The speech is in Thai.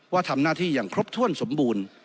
ว่าทำหน้าที่อย่างครบถ้วนสมบูรณ์